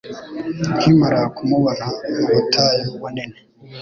Nkimara kumubona mu butayu bunini